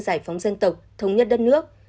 giải phóng dân tộc thống nhất đất nước